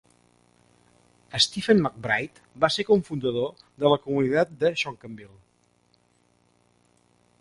Stephen McBride va ser cofundador de la comunitat de Shankleville.